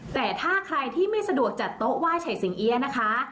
แต่ถ้าใครที่ไม่สะดวกจัดโต๊ะไหว้เฉดสิงเอี๊ยะนะคะ